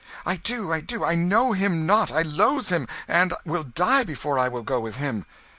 "I do, I do I know him not, I loathe him, and will die before I will go with him."